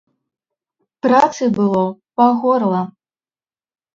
Працы было па горла!